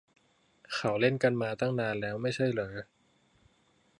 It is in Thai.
เขาเล่นกันมาตั้งนานแล้วไม่ใช่เหรอ